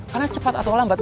karena cepat atau lambat